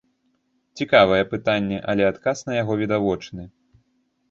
Цікавае пытанне, але адказ на яго відавочны.